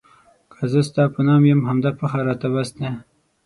که زه ستا په نام یم همدا فخر راته بس دی.